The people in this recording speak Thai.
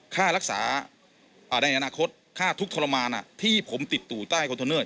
ค่ารักษาในอนาคตค่าทุกข์ทรมานที่ผมติดตู่ใต้คอนเทนเนอร์